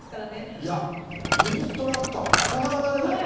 いや、インストラクターはなかなかなれないよ。